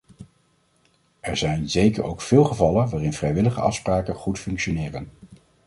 Er zijn zeker ook veel gevallen waarin vrijwillige afspraken goed functioneren.